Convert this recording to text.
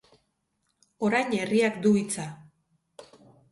Orain herriak du hitza.